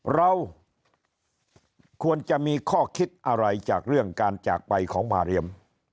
เราควรจะมีข้อคิดอะไรจากเรื่องการจากไปของมาเรียม